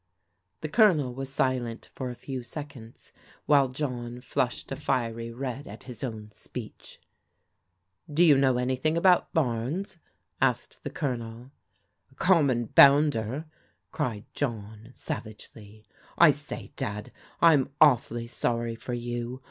The Colonel was silent for a few seconds, while John flushed a fier\' red at his own speech. "Do you know an}'thing about Barnes?'' asked the Colonel. "A common bounder, cried John savagely. " I say, Dad, I'm awfully sorry for you.